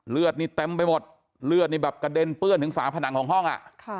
เลือดนี่เต็มไปหมดเลือดนี่แบบกระเด็นเปื้อนถึงฝาผนังของห้อง